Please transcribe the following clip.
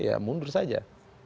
ya mundur saja